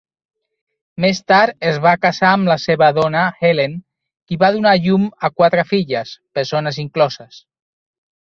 Més tard es va casar amb la seva dona Helen, qui va donar llum a quatre filles, bessones incloses.